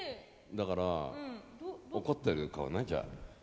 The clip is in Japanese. だから怒ってる顔ねじゃあ。